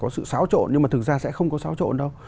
có sự xáo trộn nhưng mà thực ra sẽ không có xáo trộn đâu